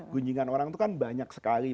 gunjingan orang itu kan banyak sekali